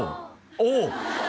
おお！